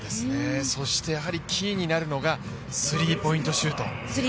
そしてキーになるのがスリーポイントシュート。